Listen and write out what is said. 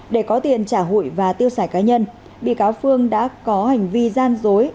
để có tiền trả hụi và tiêu xài cá nhân bị cáo phương đã có hành vi gian dối